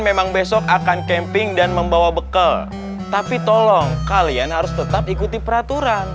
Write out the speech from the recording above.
memang besok akan camping dan membawa bekal tapi tolong kalian harus tetap ikuti peraturan